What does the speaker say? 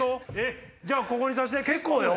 じゃあここにさせて結構よ？